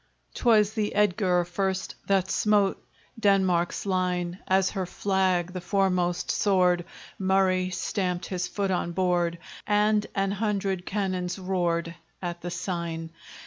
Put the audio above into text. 'Twas the Edgar first that smote Denmark's line; As her flag the foremost soared, Murray stamped his foot on board, And an hundred cannons roared At the sign!